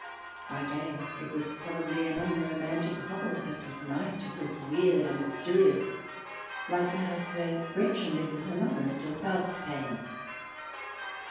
By day it was probably an unromantic hovel, but by night it was weird and mysterious, like the house where Gretchen lived with her mother until Faust came.